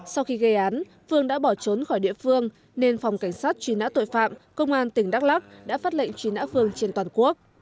sau khi gây án phương đã bỏ trốn khỏi địa phương nên phòng cảnh sát truy nã tội phạm công an tỉnh đắk lắc đã phát lệnh truy nã phương trên toàn quốc